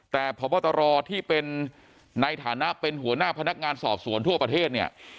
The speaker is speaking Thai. แต่พบตรที่เป็นในฐานะเป็นหัวหน้าพนักงานสอบสวนทั่วประเทศเนี่ย